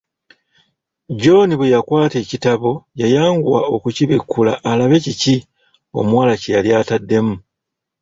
John bwe yakwata ekitabo yayanguwa okubikkula alabe kiki omuwala kye yali ataddemu.